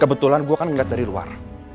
kebetulan gue kan melihat dari luar